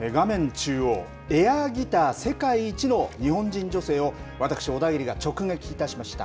中央、エアギター世界一の日本人女性を、私、小田切が直撃いたしました。